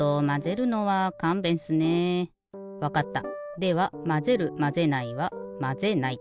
ではまぜるまぜないはまぜないと。